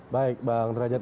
baik bang derajat